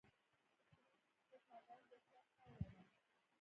د پیرودونکي وفاداري د اخلاص پایله ده.